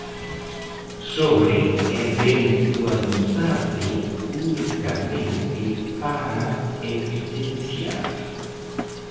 Sobre eventualidade, unicamente para evidenciar.